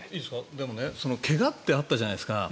でも、怪我ってあったじゃないですか。